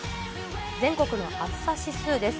全国の暑さ指数です。